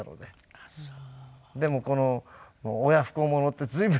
ああそう。